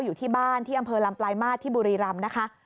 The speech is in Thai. อยู่ที่บ้านที่อำเภอลำปลายมาตรที่บุรีรำนะคะ